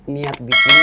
loh apa ini